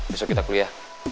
besok kita kuliah